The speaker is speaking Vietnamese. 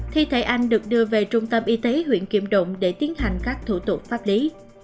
thi thể anh được đưa về trung tâm y tế huyện kim động để tiến hành các thủ tục pháp lý